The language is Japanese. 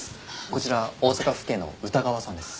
こちら大阪府警の宇田川さんです。